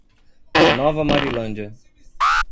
Nova Marilândia